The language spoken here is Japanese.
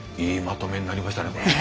いいまとめになりましたね